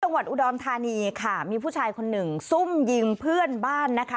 จังหวัดอุดรธานีค่ะมีผู้ชายคนหนึ่งซุ่มยิงเพื่อนบ้านนะคะ